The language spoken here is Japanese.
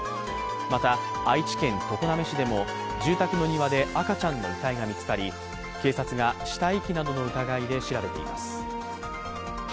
また、愛知県常滑市でも住宅の庭で赤ちゃんの遺体が見つかり警察が死体遺棄などの疑いで調べています。